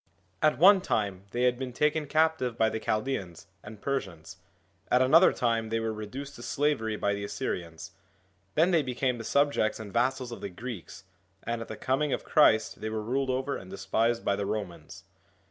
At one time they had been taken captive by the Chaldeans and Persians, at another time they were reduced to slavery by the Assyrians, then they became the subjects and vassals of the Greeks, and at the coming of Christ they were ruled over and despised by the Romans.